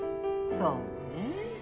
そうね。